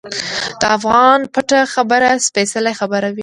د افغان پټه خبره سپیڅلې خبره وي.